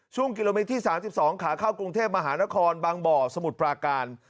ช่วงกิโลเมตรที่๓๒ขาเข้ากรุงเทพมหานครบางบ่อสมุทรปราการ